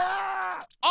あ！